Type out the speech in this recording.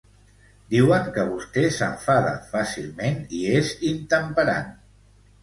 Diuen que vostè s'enfada fàcilment i és intemperant.